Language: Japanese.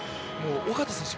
小方選手